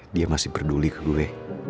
dia masih peduli ke gue